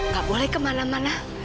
gak boleh kemana mana